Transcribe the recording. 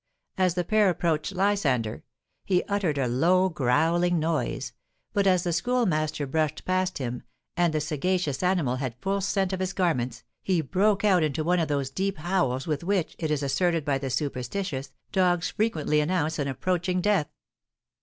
As the pair approached Lysander, he uttered a low, growling noise; but as the Schoolmaster brushed past him, and the sagacious animal had full scent of his garments, he broke out into one of those deep howls with which, it is asserted by the superstitious, dogs frequently announce an approaching death.